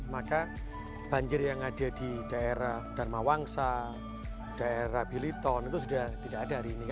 maka banjir yang ada di daerah dharma wangsa daerah biliton itu sudah tidak ada hari ini